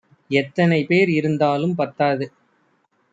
எத்தனை பேர் இருந்தாலும் பத்தாது